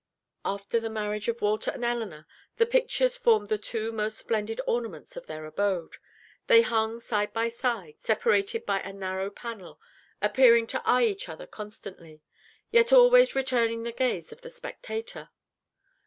After the marriage of Walter and Elinor, the pictures formed the two most splendid ornaments of their abode. They hung side by side, separated by a narrow panel, appearing to eye each other constantly, yet always returning the gaze of the spectator.